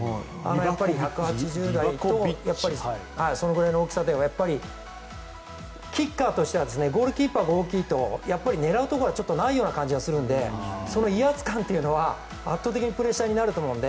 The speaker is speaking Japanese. １８０ｃｍ台とそのぐらいの大きさでキッカーとしてはゴールキーパーが大きいと狙うところがないように感じるのでその威圧感というのは圧倒的にプレッシャーになると思うので。